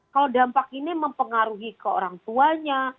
kalau dampak ini mempengaruhi ke orang tuanya